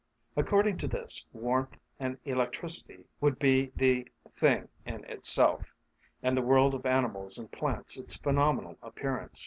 According to this, warmth and electricity would be the "thing in itself," and the world of animals and plants its phenomenal appearance.